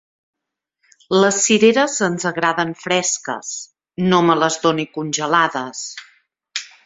Les cireres ens agraden fresques; no me les doni congelades.